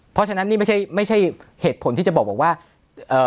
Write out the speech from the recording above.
เพราะฉะนั้นนี่ไม่ใช่ไม่ใช่เหตุผลที่จะบอกว่าเอ่อ